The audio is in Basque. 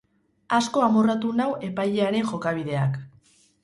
Asko amorratu nau epailearen jokabideak.